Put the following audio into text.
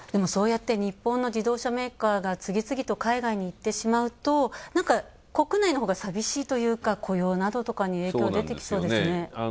そうやって日本の自動車メーカーが次々と海外に行ってしまうと国内のほうがさびしいというか雇用などとかに影響が出てきそうですね。